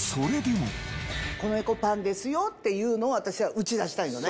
米粉パンですよっていうのを、私は打ち出したいのね。